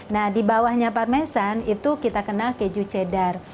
nah di bawahnya parmesan itu kita kenal keju cheddar